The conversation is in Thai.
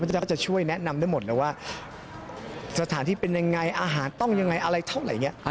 เจ้าก็จะช่วยแนะนำได้หมดเลยว่าสถานที่เป็นยังไงอาหารต้องยังไงอะไรเท่าไหร่อย่างนี้